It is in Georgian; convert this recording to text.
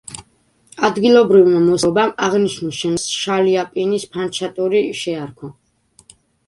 ადგილობრივმა მოსახლეობამ აღნიშნულ შენობას შალიაპინის ფანჩატური შეარქვა.